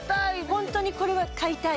ホントにこれは買いたい。